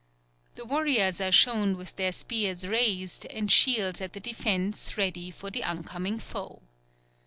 The warriors are shown with their spears raised and shields at the defence ready for the oncoming foe.